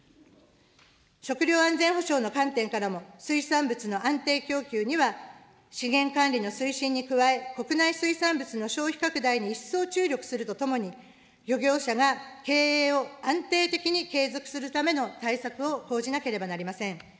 食料安全保障の観点からも水産物の安定供給には、資源管理の推進に加え、国内水産物の消費拡大に一層注力するとともに、漁業者が経営を安定的に継続するための対策を講じなければなりません。